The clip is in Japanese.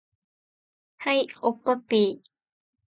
はい、おっぱっぴー